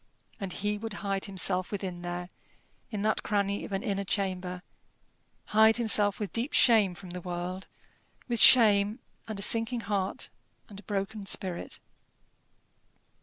And he would hide himself within there, in that cranny of an inner chamber hide himself with deep shame from the world, with shame, and a sinking heart, and a broken spirit.